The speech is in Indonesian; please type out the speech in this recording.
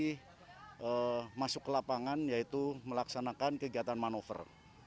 kemudian hari ketiga saya masuk ke lapangan yaitu melaksanakan kegiatan manover